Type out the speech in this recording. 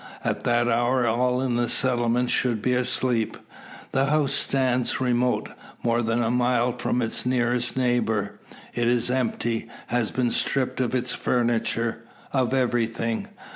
At that hour all in the settlement should be asleep. The house stands remote, more than a mile from its nearest neighbour. It is empty; has been stripped of its furniture, of everything.